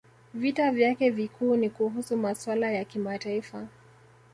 Vita vyake vikuu ni kuhusu masuala ya kimataifa